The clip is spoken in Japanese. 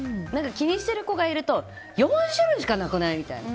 気にしてる子がいると４種類しかなくない？みたいな。